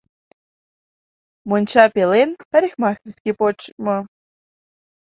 Монча пелен парикмахерский почмо.